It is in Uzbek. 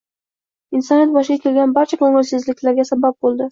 insoniyat boshiga kelgan barcha ko‘ngilsizliklarga sabab bo‘ldi